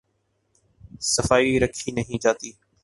صفائی رکھی نہیں جاتی۔